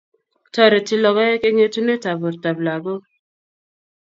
Toreti logoek eng etunet ab bortap lagok